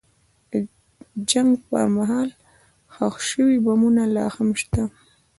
د جنګ پر مهال ښخ شوي بمونه لا هم شته.